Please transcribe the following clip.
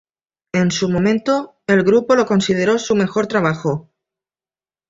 En su momento el grupo lo consideró su mejor trabajo.